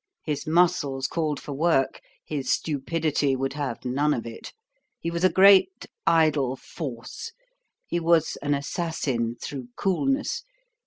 His muscles called for work, his stupidity would have none of it. He was a great, idle force. He was an assassin through coolness.